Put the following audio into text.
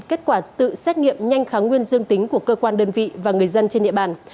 kết quả tự xét nghiệm nhanh kháng nguyên dương tính của cơ quan đơn vị và người dân trên địa bàn